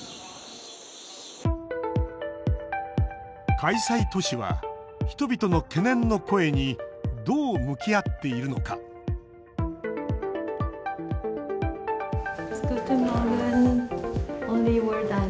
開催都市は、人々の懸念の声にどう向き合っているのかグーテンモルゲン。